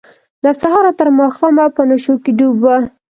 له سهاره تر ماښامه په نشو کې ډوب وه.